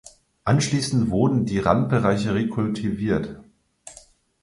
Anschließend wurden die Randbereiche rekultiviert.